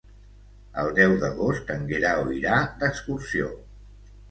El deu d'agost en Guerau irà d'excursió.